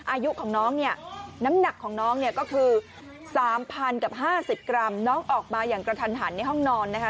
อายุของน้องเนี่ยน้ำหนักของน้องเนี่ยก็คือ๓๐๐กับ๕๐กรัมน้องออกมาอย่างกระทันหันในห้องนอนนะคะ